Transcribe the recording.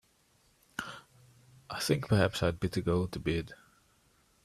I think perhaps I'd better go to bed.